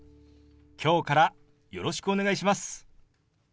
今日からよろしくお願いします。